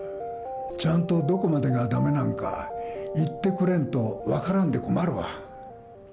ちゃんとどこまでがだめなんか言ってくれんと分からんで困るわ。